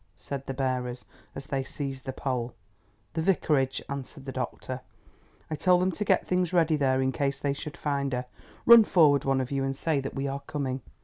said the bearers as they seized the poles. "The Vicarage," answered the doctor. "I told them to get things ready there in case they should find her. Run forward one of you and say that we are coming."